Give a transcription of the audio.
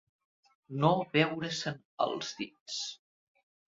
No veure-se'n als dits.